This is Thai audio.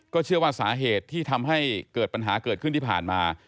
เชื่อว่าสาเหตุที่ทำให้เกิดปัญหาเกิดขึ้นที่ผ่านมา